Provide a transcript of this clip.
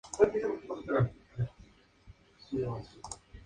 Trompetista, pianista, compositor y pedagogo estadounidense.